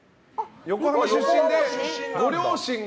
横浜出身でご両親が？